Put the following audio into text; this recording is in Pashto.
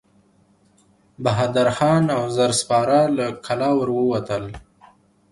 بهادر خان او زر سپاره له کلا ور ووتل.